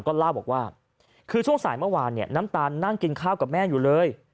ก็เล่าบอกว่าคือช่วงสายเมื่อวานเนี่ยน้ำตาลนั่งกินข้าวกับแม่อยู่เลย